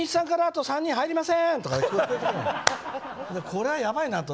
これはやばいなと。